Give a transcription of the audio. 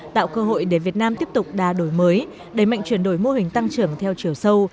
tạo cơ hội để việt nam tiếp tục đa đổi mới đẩy mạnh chuyển đổi mô hình tăng trưởng theo chiều sâu